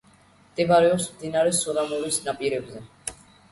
მდებარეობს მდინარე სურამულის ნაპირებზე.